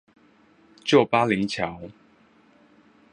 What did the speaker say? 舊巴陵橋